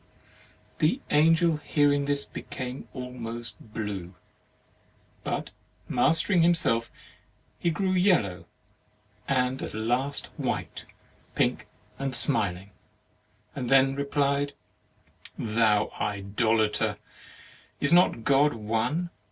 The Angel hearing this became almost blue, but mastering himself he grew yellow, and at last white pink and smiling, and then replied: "Thou idolater, is not God One?